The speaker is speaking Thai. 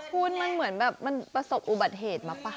คุณมันเหมือนแบบมันประสบอุบัติเหตุมาป่ะ